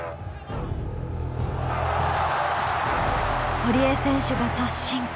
堀江選手が突進。